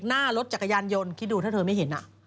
หน้ารถจักรยานยนต์คิดดูถ้าเธอไม่เห็น